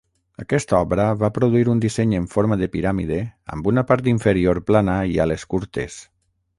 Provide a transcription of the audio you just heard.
Aquesta obra va produir un disseny en forma de piràmide amb una part inferior plana i ales curtes.